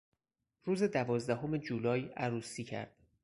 روز دوازدهم جولای عروسی کرد.